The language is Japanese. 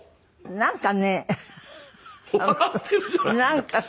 なんかさ。